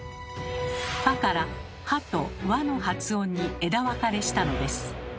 「ふぁ」から「は」と「わ」の発音に枝分かれしたのです。